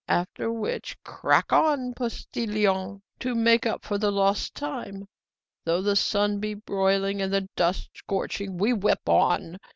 After which, 'Crack on, postillion!' to make up for the lost time. Though the sun be broiling and the dust scorching, we whip on!